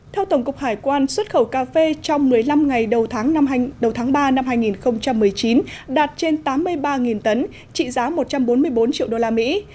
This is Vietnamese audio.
theo tổng cục hải quan xuất khẩu cà phê trong một mươi năm ngày đầu tháng ba năm hai nghìn một mươi chín đạt trên tám mươi ba tấn trị giá một trăm bốn mươi bốn triệu đô la mỹ